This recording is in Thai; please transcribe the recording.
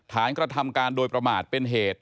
กระทำการโดยประมาทเป็นเหตุ